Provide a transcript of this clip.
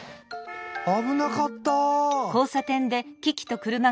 あぶなかった！